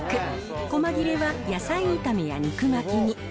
こま切れは野菜炒めや肉巻きに。